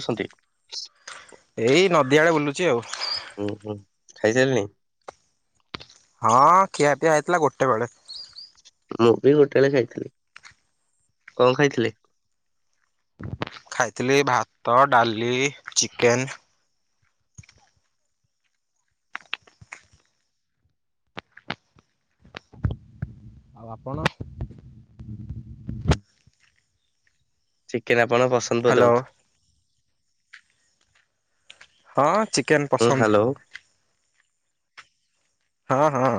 ଅଛନ୍ତି? ଏଇ ନଦିଆଡେ ବୁଲୁଚି ଆଉ। ଉଁ ହୁଁ ଖାଇ ସାରିଲେଣି? ହଁ ଖିଆପିଆ ହେଇଥିଲା ଗୋଟେ ବେଳେ। ମୁଁ ବି ଗୋଟେବେଳେ ଖାଇଥିଲି। କଣ ଖାଇଥିଲେ? ଖାଇଥିଲି ଏ ଭାତ ଡାଲି ଚିକେନ। ଆଉ ଆପଣ? ଚିକେନ୍ ଆପଣଙ୍କ ପସନ୍ଦ ବୋଧେ ହ୍ୟାଲୋ ବହୁତ। ହଁ ଚିକେନ ହୁଁ ପସନ୍ଦ। ହ୍ୟାଲୋ ହଁ ହଁ।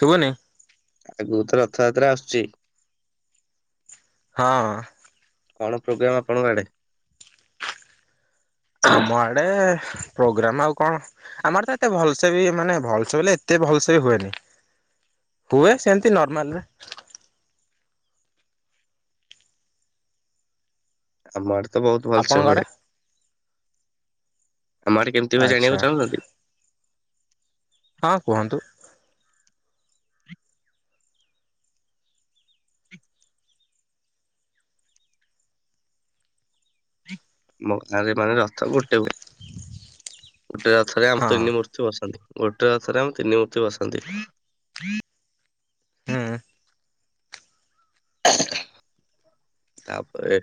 ଶୁବୁନି। ଆଗକୁ ତ ରଥଯାତ୍ରା ଆସୁଚି। ହଁ। କଣ ପ୍ରୋଗ୍ରାମ ଆପଣଙ୍କ ଆଡେ? ଆମ ଆଡେ। ପ୍ରୋଗ୍ରାମ ଆଉ କଣ ଆମ ଆଡେ ତ ଏତେ ଭଲସେ ବି ମାନେ ଭଲସେ ବୋଲେ ଏତେ ଭଲସେ ହୁଏନି। ହୁଏ ସେମିତି ନର୍ମାଲରେ। ଆମ ଆଡେ ତ ବହୁତ ଭଲସେ ଆପଣଙ୍କ ଆଡେ ହୁଏ। ଆମ ଆଡେ କେମିତି ହୁଏ ଆଚ୍ଛା ଜାଣିବାକୁ ଚାହୁଁଛନ୍ତି। ହଁ କୁହନ୍ତୁ। ଆମ ଗାଁରେ ମାନେ ରଥ ଗୁଟେହୁଏ ଗୁଟେ ରଥରେ ଆମ ହଁ ତିନି ମୂର୍ତ୍ତି ବସନ୍ତି। ଗୋଟେ ରଥରେ ଆମ ତିନି ମୂର୍ତ୍ତି ବସନ୍ତି। ହୁଁ। ତାପରେ।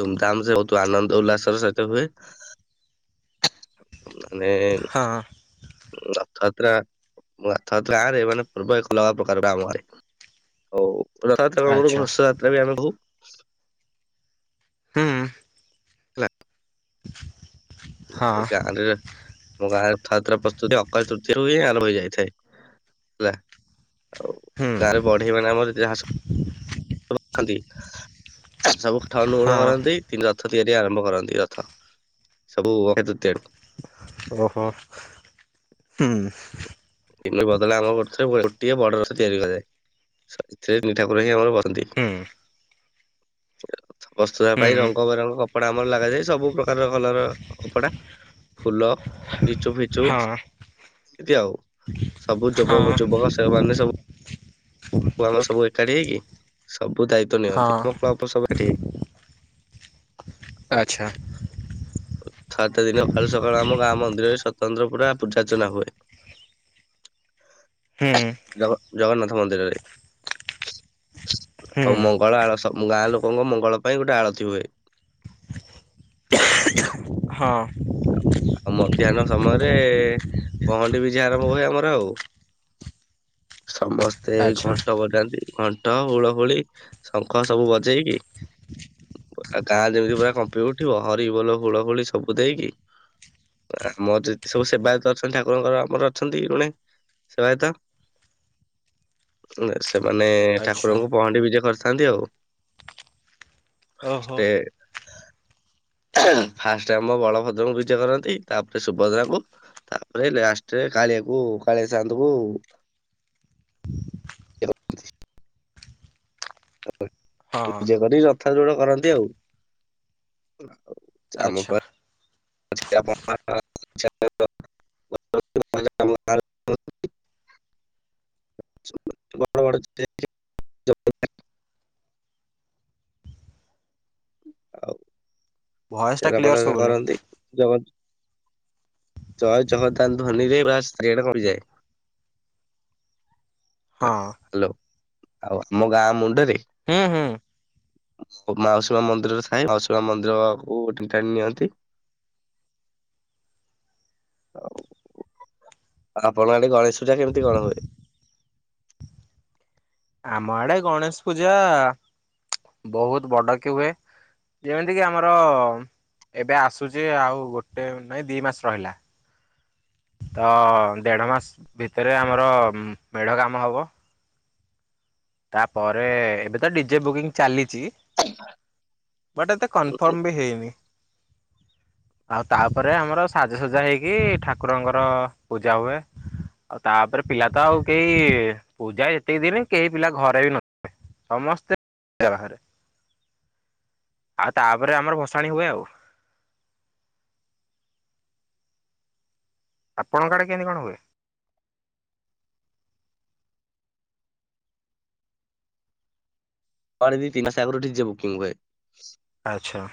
ଧୁମଧାମ ସେବହୁତ ଆନନ୍ଦ ଉଲ୍ଲାସର ସହିତ ହୁଏ। ମାନେ ଏ ଉଁ। ହଁ ରଥଯାତ୍ରା ରଥଯାତ୍ରା ଗାଁରେ ମାନେ ପୂର୍ବ ଏକ ଅଲଗା ପ୍ରକାର ଟା ଆମ ଘରେ। ହଉ ରଥଯାତ୍ରା କଣ ଗୋଟେ ଆଚ୍ଛା ଘୋଷ ଯାତ୍ରା ବି ଆମେ କହୁ। ହୁଁ ଉଁ। ହେଲା। ହଁ ଗାଁରେ ମୋ ଗାଁରେ ରଥଯାତ୍ରା ପ୍ରସ୍ତୁତି ଅକ୍ଷୟ ତୃତୀୟାରେ ହୁଏ ଆ ଯାଇଥାଏ ହେଲା ଆଉ ହୁଁ ଗାଁରେ ବଢେଇ ମାନେ ଆମର ଯାହା ସ ସବୁରଥ ଅନୁକୂଳ ହଁ କରନ୍ତି ତିନି ରଥ ତିଆରି ଆରମ୍ଭ କରନ୍ତି ରଥ ସବୁ ଅକ୍ଷୟ ତୃତୀୟାରୁ। ଓହୋ ହୁଁ। ଦିନ ବଦଳେ ଆମର ଗୋଟେ ଥର ଗୋଟିଏ ବଡ ରଥ ତିଆରି କରାଯାଏ ଏଥିରେ ତିନି ଠାକୁର ହିଁ ଆମର ବସି ନ୍ତି ହୁଁ ବସ୍ତ୍ର ପାଇଁ ହୁଁ ରଙ୍ଗ ବେରଙ୍ଗ କପଡା ଆମର ଲାଗାଯାଏ ସବୁ ପ୍ରକାରର କଲର କପଡା ଫୁଲ ଲିଚୁ ଫିଚୁ ହଁ ଏମତି ଆଉ। ସବୁ ହଁ ଯୋଗ ଯୁବକ ସେ ମାନେ ସବୁ। ପୁଅ ଆମ ସବୁ ଏକାଠି ହେଇକି ସବୁ ଦାୟିତ୍ବ ନିଅନ୍ତି ହଁ ଆମ କ୍ଲବ ସବୁ ଏଠି ହେଇକି। ଆଚ୍ଛା। ଛାତ ଦିନ ସକାଳୁ ସକାଳୁ ଆମ ଗାଁ ମନ୍ଦିରରେ ସ୍ୱତନ୍ତ୍ର ପୁରା ପୂଜାର୍ଚ୍ଚନା ହୁଏ। ହୁଁ ଜଗ ଜଗନ୍ନାଥ ମନ୍ଦିରରେ ହୁଁ ଆଉ ମଙ୍ଗଳା ଆଳସ ଗାଁ ଲୋକଙ୍କ ମଙ୍ଗଳ ପାଇଁ ଗୋଟେ ଆଳତି ହୁଏ। ହଁ, ଆ ମଧ୍ୟାହ୍ନ ସମୟରେ ପହଣ୍ଡି ବିଜେ ଆରମ୍ଭ ହୁଏ ଆମର ଆଉ। ସମସ୍ତେ ଏଇ ଆଚ୍ଛା ଘଣ୍ଟ ବଜାନ୍ତି। ଘଣ୍ଟ, ହୁଳହୁଳି, ଶଙ୍ଖ ସବୁ ବଜେଇକି ଗାଁ ଯେମିତି ପୁରା କମ୍ପି ଉଠିବ। ହରିବୋଲ, ହୁଳହୁଳି ସବୁ ଦେଇକି। ଆମର ଯେତିକି ସବୁ ସେବାୟତ ଅଛନ୍ତି ଠାକୁରଙ୍କର ଆମର ଅଛନ୍ତି ମାନେ ସେବୟତ ସେ ସେମାନେ ଆଚ୍ଛା ଠାକୁରଙ୍କୁ ପହଣ୍ଡିବିଜେ କରିଥାନ୍ତି ଆଉ। ଓହୋ! ଷ୍ଟେ ଫାଷ୍ଟ ଆମ ବଳଭଦ୍ରଙ୍କୁ ବିଜେ କରନ୍ତି, ତାପରେ ସୁଭଦ୍ରାଙ୍କୁ, ତାପରେ ଲାଷ୍ଟରେ କାଳିଆକୁ କା ଯାନ୍ଦୁବୁ ହଁ ପୂଜା କରି ରଥା ଦ୍ୱୋଡ କରନ୍ତି ଆଉ। ଆଚ୍ଛା! ଆପଣ [unintelligible] [unintelligible] [unintelligible] ଆଉ ଭଏସ ଟା ସେରା କ୍ଲିୟର ଭଲସେ ଶୁଭୁନି କରନ୍ତି। ଯ ଜୟ ଜଗଦାନ ଧ୍ୱନିରେ ପୁରା ସେ ଏରିଆ କମ୍ପିଯାଏ। ହଁ ହେଲୋ! ଆଉ ଆମ ଗାଁ ମୁଣ୍ଡରେ ହୁଁ, ହୁଁ। ମାଉସୀମା ମନ୍ଦିରରେ ଥାଏ। ମାଉସୀମା ମନ୍ଦିର କୁ ଟାଣିଟାଣି ନିଅନ୍ତି। [unintelligible] ଆଉ ଆପଣଙ୍କ ଆଡେ ଗଣେଶ ପୂଜା କେମିତି କଣ ହୁଏ? ଆମ ଆଡେ ଗଣେଶପୂଜା ବହୁତ ବଡ କି ହୁଏ। ଯେମିତି କିି ଆମର ଏବେ ଆସୁଛି ଆଉ ଗୋଟେ ନାଇଁ ଦି ମାସ ରହିଲା। ତ ଦେଢ ମାସ ଭିତରେ ଆମର ମେଢ କାମ ହବ। ତାପରେ ଏବେ ତ ଡିଜେ ବୁକିଂ ଚାଲିଚି। ବଟ୍ ଏତେ କନଫର୍ମ ବି ହେଇନି। ଆଉ ତାପରେ ଆମର ସାଜସଜା ହେଇକି ଠାକୁରଙ୍କର ପୂଜା ହୁଏ। ଆଉ ତାପରେ ପିଲା ତ ଆଉ କେହି ପୂଜା ଏତିକି ଦିନ କେହି ପିଲା ଘରେ ବି ନଥିବେ ସମସ୍ତେ ବାହାରେ ଆଉ ତାପରେ ଆମର ଭସାଣି ହୁଏ ଆଉ। ଆପଣଙ୍କ ଆଡେ କେମିତି କଣ ହୁଏ? ପରେ ଦି ଦି ମାସ ଆଗରୁ ଡିଜେ ବୁକିଂ ହଏ। ଆଚ୍ଛା!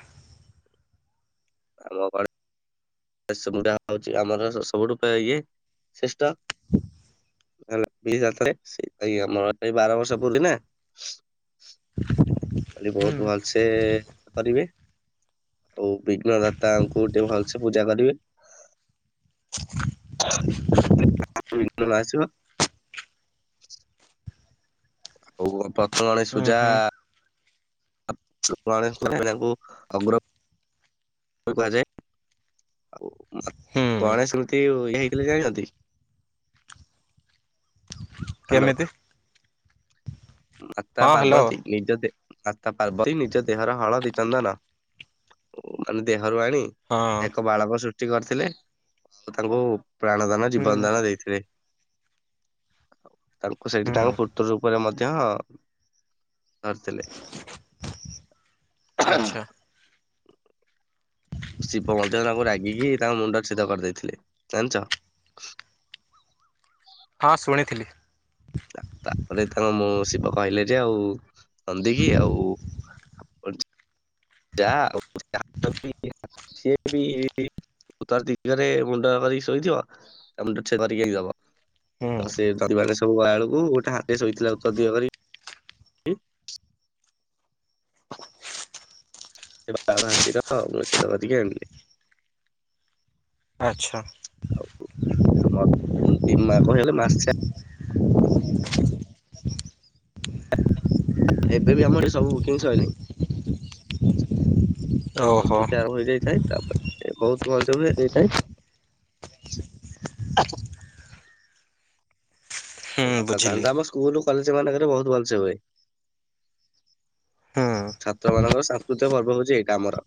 ଆମ ଗ ଗଣେଶ ମୁଣ୍ଡା ହଉଛି ଆମର ସବୁଠୁ ଇଏ ଶ୍ରେଷ୍ଠ ହେଲା ଇଏ ସେଇ ଆମର ବାର ବର୍ଷ ପୁରିଲା ଖାଲି ହୁଁ ବହୁତ ଭଲସେ କରିବେ। ଆଉ ବିଘ୍ନଦାତାଙ୍କୁ ଟିକେ ଭଲସେ ପୂଜା କରିବେ। [unintelligible] ଆସିବ। ହଉ ପ୍ରଥ ଗଣେଶ ହୁଁ ପୂଜା। ହୁଁ ଗଣେଶ [unintelligible] ଅଗ୍ର ବୋଲି କୁହାଯାଏ। ଆଉ ଉଁ ହୁଁ ଗଣେଶ ମୂର୍ତ୍ତି ଉ ଇଏ ହେଇଥିଲେ ଜାଣିଛନ୍ତି? ହ୍ୟାଲୋ କେମିତି? ମାତା ହଁ ହ୍ୟାଲୋ ପାର୍ବତୀ ନିଜ ଦେ ମାତା ପାର୍ବତୀ ନିଜ ଦେହର ହଳଦୀ, ଚନ୍ଦନ ଆଉ ମାନେ ଦେ ହରୁ ଆଣି ହଁ ଏକ ବାଳକ ସୃଷ୍ଟି କରିଥିଲେ, ଆଉ ତାଙ୍କୁ ପ୍ରାଣ ଦାନ, ହୁଁ ଜୀବନ ଦାନ ଦେଇଥିଲେ। ତାଙ୍କୁ ସେଇଠି ତାଙ୍କ ହୁଁ ପୁତ୍ର ରୂପରେ ମଦ୍ ଧ୍ୟ ଧରିଥିଲେ। ଆଚ୍ଛା। ଶିବ ମଧ୍ୟ ତାଙ୍କୁ ରାଗିକି ତାଙ୍କ ମୁଣ୍ଡ ଚ୍ଛେଦ କରିଦେଇଥିଲେ, ଜାଣିଛ? ହଁ ଶୁଣିଥିଲି ତା- ତା ପରେ ତାଙ୍କ ମୁଁ ଶିବ କହିଲେ ଯେ ଆଉ ନନ୍ଦୀ କି ଆଉ [unintelligible] ଯାହା [unintelligible] ସିଏ ବି ଉତ୍ତର ଦିଗରେ ମୁଣ୍ଡ କରିକି ଶୋଇଥିବ। ତା ମୁଣ୍ଡ ଚ୍ଛେଦ କରିକି ଆଣିକି ଦବ। ହୁଁ ତ ସେ [unintelligible] [unintelligible] ଗଲା ବେଳକୁ ଗୋଟେ ହାତୀ ଶୋଇଥିଲା ଉତ୍ତର ଦିଗ କରିକି ସେ [unintelligible] ହାତୀର ମୁଣ୍ଡ ଚ୍ଛେଦ କରିକି ଆଣିଲେ। ଆଚ୍ଛା ଆମର ଉଁ ପିମା କହିଲେ ମାସେ ଏବେ ବି ଆମର ଏଠି ସବୁ ବୁକିଂ ସଇଁଲାଇଁ। ଓହୋ ପ୍ରସ୍ତୁତି ଆରମ୍ଭ ହୋଇଯାଇଥାଏ, ତା ପରେ ସେ ବହୁତ୍ ଭଲସେ ହୁଏ। ହୁଁ [unintelligible] ଆଉ ବୁଝିଲି ସାଧାରଣତଃ ଆମ ସ୍କୁଲ କଲେଜ ମାନେଙ୍କେରେ ବହୁତ ଭଲସେ ହୁଏ। ହୁଁ ଛାତ୍ରମାନଙ୍କର ସାଂସ୍କୃତିକ ପର୍ବ ହଉଛି ଏଇଟା ଆମର।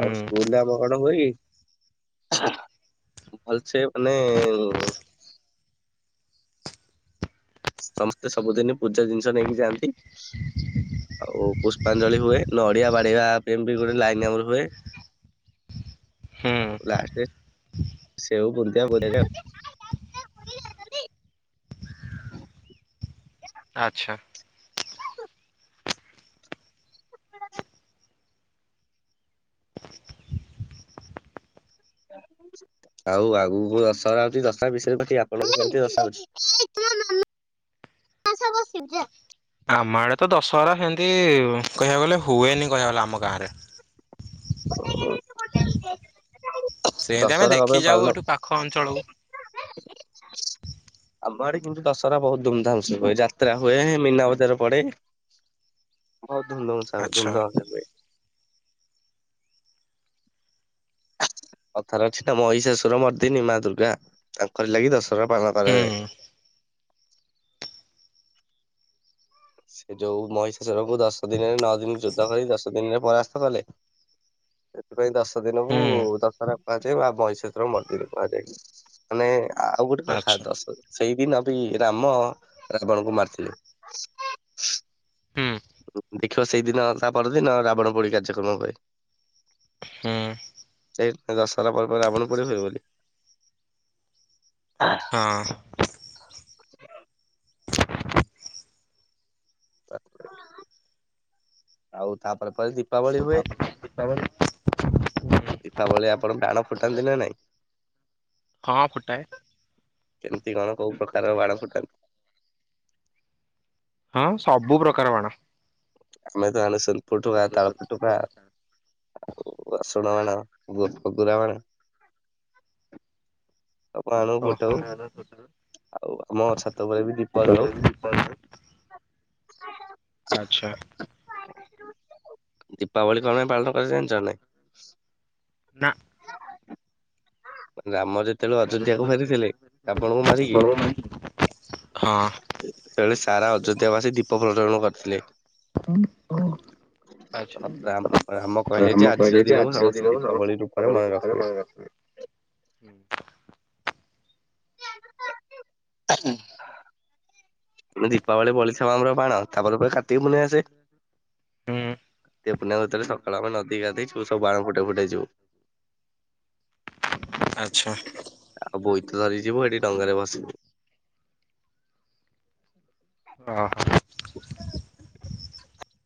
ହୁଁ ଆଉ ସ୍କୁଲରେ ଆମର କଣ ହୁଏ କି? ଆହାଃ ଭଲସେ ମାନେ ଉ ସମସ୍ତେ ସବୁଦିନି ପୂଜା ଜିନିଷ ନେଇକି ଯାଆନ୍ତି। ଆଉ ପୁଷ୍ପାଞ୍ଜଳି ହୁଏ, ନଡିଆ ବାଡ଼େଇବା ପାଇଁ ବି ଗୋଟେ ଲାଇନ ଆମର ହୁଏ। ହୁଁ ଆଉ ଲାଷ୍ଟେ ସେଉ ବୁନ୍ଦିଆ [unintelligible] ଆଚ୍ଛା। [unintelligible] ଆଉ ଆଗୁକୁ ଦଶହରା ଆଉଚି, ଦଶହରା ବିଷୟରେ ବାକି ଆପଣଙ୍କୁ [unintelligible] ଆସ ବସିଯିଆ। ଆମ ଆଡେ ତ ଦଶହରା ସେମିତି କହିଆକୁ ଗଲେ ହୁଏନି କହିଆକୁ ଗଲେ ଆମ ଗାଁରେ। [unintelligible] ସେମିତି ଆମେ ଦଶହରା କଣ ଦେଖି ପାଇଁ ଯାଉ ପାଳୁନ? ଏଠୁ ପାଖ ଅଞ୍ଚଳକୁ ଆମ ଆଡେ କିନ୍ତୁ ଦଶହରା ବହୁତ ଧୁମଧାମ ସେ ହୁଏ, ଯାତ୍ରା ହୁଏ, ମୀନାବଜାର ପଡେ। ବହୁତ୍ ଧୁମଧୁମ ସା ଆଚ୍ଛା ଧୁମଧାମ ସେ ହୁଏ। କଥାରେ ଅଛି ନା ମହିଷାସୁର ମର୍ଦ୍ଦିନୀ ମା ଦୁର୍ଗା, ତାଙ୍କରି ଲାଗି ଦଶହରା ପାଳନ କରାଯାଏ। ହୁଁ ସେ ଯୋଉ ମହିଷାସୁରକୁ ଦଶ ଦିନରେ ନଅ ଦିନ ଯୁଦ୍ଧ କରି ଦଶ ଦିନରେ ପରାସ୍ତ କଲେ ସେଥିପାଇଁ ଦଶ ଦିନକୁୁ ହୁଁ ଦଶହରା କୁହାଯାଏ ବା ମହିଷାସୁର ମର୍ଦ୍ଦିନୀ କୁହାଯାଏ। ହାଲୋ। ଆଉ ଗୋଟେ କଥା ଆଚ୍ଛା ଦଶ ସେଇଦିନ ବି ରାମ ରାବଣଙ୍କୁ ମାରିଥିଲେ। ହୁଁ ଦେଖିବ ସେଇଦିନ ତା ପରଦିନ ରାବଣ ପୋଡି କାର୍ଯ୍ୟକ୍ରମ ହୁଏ। ହୁଁ ସେଇ ଦଶହରା ପରେ ପରେ ରାବଣ ପୋଡି ହୁଏ ବୋଲି। ହଁ। [unintelligible] [inaudible] ଆଉ ତାପରେ ପା [unintelligible] [unintelligible] ଦୀପାବଳି ଆପଣ ବାଣ ଫୁଟାନ୍ତି ନା ନାଇଁ? ହଁ ଫୁଟାଏ। କେମତି କଣ କୋଉ ପ୍ରକାର ବାଣ ଫୁଟାନ୍ତି? ହଁ ସବୁ ପ୍ରକାର ବାଣ। ଆମେ ତ ଆଣୁ ସୁନୁଫୁଟୁକା ତାଳଫୁଟୁକା ଆଉ ରସୁଣ ବାଣ। ବୋ ହଗୁରା ବାଣ। ସବୁ ଆଣୁ ଓହୋ। ଫୁଟାଉ ଆଉ ଆମ ଛାତ ଉପରେ ବି ଦୀପ ଜଳଉ। [unintelligible] ଆଚ୍ଛା। ଦୀପାବଳି କଣ ପାଇଁ ପାଳନ କରାଯାଏ ଜାଣିଚଟ ନାଇଁ? ନା ରାମ ଯେତେବେଳେ ଅଯୋଧ୍ୟା କୁ ଫେରିଥିଲେ ରାବଣ କୁ ମାରିକି ହଁ [unintelligible] ସାରା ଅଯୋଧ୍ୟାବାସୀ ଦୀପ ପ୍ରଜୋଳନ କରିଥିଲେ। [unintelligible] ତ ଆଛା ରାମ କହିଲେ ଯେ ରାମ ଆଜିର କହିଲେ ଯେ ଦିନକୁ ଆଜିର ସମସ୍ତେ ଦିନକୁ ଦୀପାବଳି ସମସ୍ତେ ରୂପରେ ଦୀପାବଳି ରୁପରେ ମନେ ରଖିବେ। ହୁଁ। [unintelligible] ଦୀପାବଳି ବଳିଥାଉ ଆମର ବାଣ ତାପରେ ଫେରେ କାର୍ତ୍ତିକ ପୁନେଇଁ ଆସେ। ହୁଁ କାର୍ତ୍ତିକ ପୂର୍ଣ୍ଣିମା ଭିତରେ ସକାଳ ହବ ଆମେ ନଦୀ ଗାଧେଇ ଜିବୁ ସବୁ ବାଣ ଫୁଟେଇ ଫୁଟେଇ ଜିବୁ। ଆଚ୍ଛା। ଆଉ ବୋଇତ ଧରିକି ଜିବୁ ହେଟି ଡଙ୍ଗାରେ ଭସିବୁ। ଓ ହ।